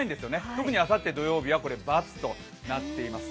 特にあさって土曜日は×となっています。